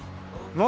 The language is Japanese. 何？